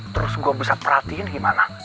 terus gue bisa perhatiin gimana